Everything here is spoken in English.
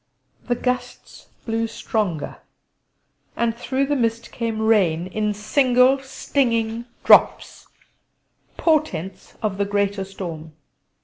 The gusts blew stronger, and through the mist came rain, in single stinging drops portents of the greater storm.